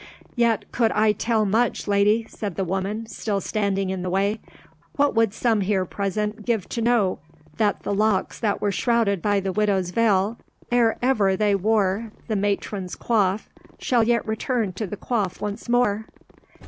"Yet could I tell much, lady," said the woman, still standing in the way. "What would some here present give to know that the locks that were shrouded by the widow's veil ere ever they wore the matron's coif shall yet return to the coif once more?"